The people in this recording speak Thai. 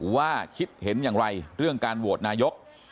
ว่าคิดเห็นอย่างไรเรื่องการโหวตนายก